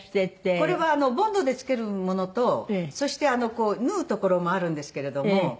これはボンドで付けるものとそして縫うところもあるんですけれども。